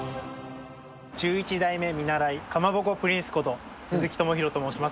１１代目見習い、かまぼこプリンスこと、鈴木智博と申します。